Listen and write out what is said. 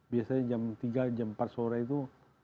biasanya jam tiga jam empat sore itu